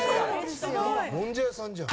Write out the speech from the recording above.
もんじゃ屋さんじゃん。